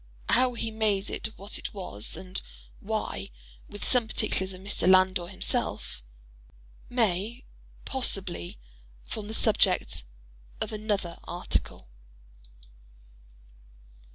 How he made it what it was—and why—with some particulars of Mr. Landor himself—may, possibly form the subject of another article.